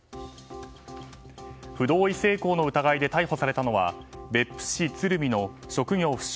不同意性交の疑いで逮捕されたのは別府市鶴見の職業不詳